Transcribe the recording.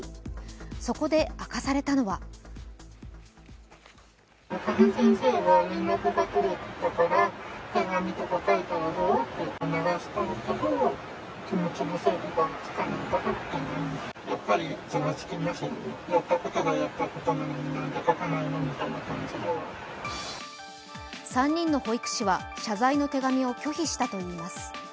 そこで明かされたのは３人の保育士は謝罪の手紙を拒否したといいます。